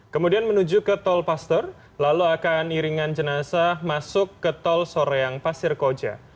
kemudian menuju ke tol paster lalu akan iringan jenazah masuk ke tol soreang pasir koja